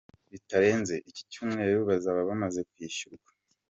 bitarenze iki cyumweru bazaba bamaze kwishyurwa.